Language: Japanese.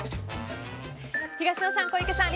東野さん、小池さん